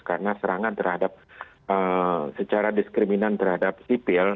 karena serangan terhadap secara diskriminan terhadap sipil